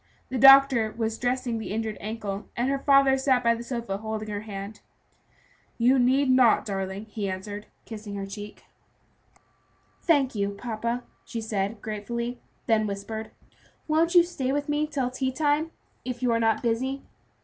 The doctor was dressing the injured ankle, and her father sat by the sofa holding her hand. "You need not, darling," he answered, kissing her cheek. "Thank you, papa," she said, gratefully, then whispered, "Won't you stay with me till tea time, if you are not busy?"